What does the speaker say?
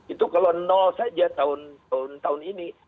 itu kalau saja tahun tahun ini